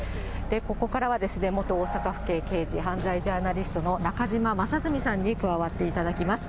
ここからは元大阪府警刑事、犯罪ジャーナリストの中島正純さんに加わっていただきます。